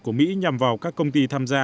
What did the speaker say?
của mỹ nhằm vào các công ty tham gia